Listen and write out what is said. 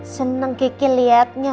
senang kiki liatnya